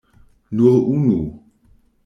Nur unu.